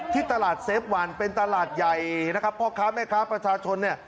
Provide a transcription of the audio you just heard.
ที่ตลาดเซฟวันเป็นตลาดใหญ่นะครับพ่อค้าแม่ค้าประชาชนเนี่ย